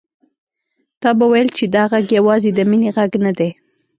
تا به ويل چې دا غږ يوازې د مينې غږ نه دی.